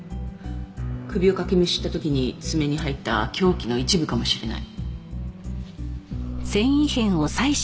首をかきむしった時に爪に入った凶器の一部かもしれない。